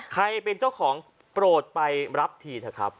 ใครเป็นเจ้าของโปรดไปรับทีเถอะครับ